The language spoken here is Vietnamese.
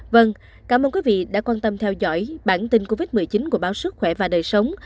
vâng cảm ơn quý vị đã quan tâm theo dõi bản tin covid một mươi chín của báo sức khỏe và đời sống